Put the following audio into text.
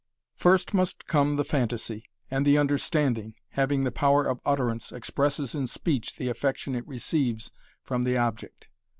First must come the phantasy, and the understanding, having the power of utterance, expresses in speech the affection it receives from the object.